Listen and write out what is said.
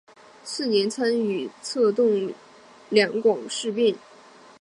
次年参与策动两广事变。